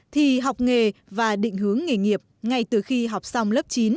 thì học nghề và định hướng nghề nghiệp ngay từ khi học xong lớp chín